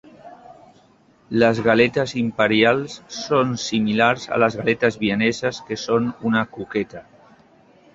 Les galetes imperials són similars a les galetes vieneses, que són una coqueta.